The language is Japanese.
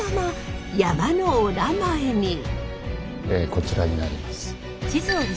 こちらになります。